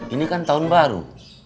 ini kan tahun baru